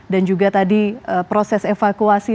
dan juga tadi proses evakuasi